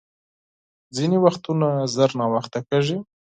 ځیني وختونه ژر ناوخته کېږي .